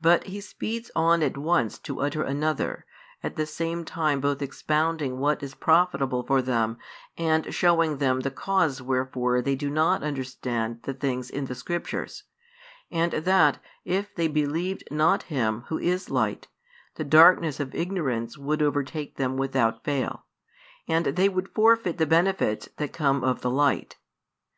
But He speeds on at once to utter another, at the same time both expounding what is profitable for them and shewing them the cause wherefore they do not understand the things in the Scriptures, and that, if they believed not Him Who is Light, the darkness of ignorance would overtake them without fail, and they would forfeit the benefits that come of the Light.